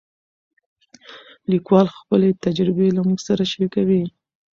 لیکوال خپلې تجربې له موږ سره شریکوي.